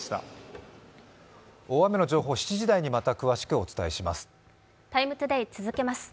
大雨の情報、７時台にまた詳しくお伝えします。